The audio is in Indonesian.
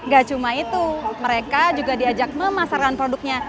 gak cuma itu mereka juga diajak memasarkan produknya